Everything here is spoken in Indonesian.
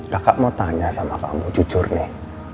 kakak mau tanya sama kamu jujur nih